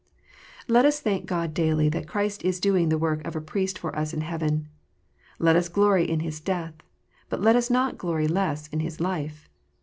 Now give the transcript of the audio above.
Let us thank God daily that Christ is doing the work of a Priest for us in heaven. Let us glory in His death, but let us not glory less in His life.